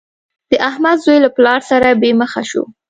د احمد زوی له پلار سره بې مخه شو.